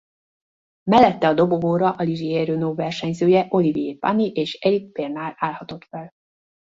Mellette a dobogóra a Ligier-Renault versenyző Olivier Panis és Éric Bernard állhatott fel.